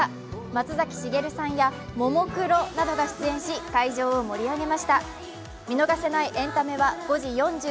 松崎しげるさんやももクロなどが出演し、会場を盛り上げました。